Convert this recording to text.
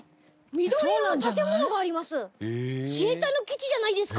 緑色の建物があります。